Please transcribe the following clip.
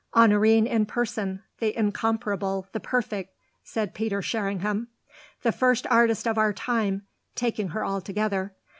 "Honorine in person: the incomparable, the perfect!" said Peter Sherringham. "The first artist of our time, taking her altogether.